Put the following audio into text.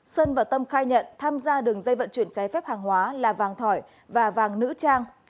sơn và tâm khai nhận tham gia đường dây vận chuyển trái phép hàng hóa là vàng thỏi và vàng nữ trang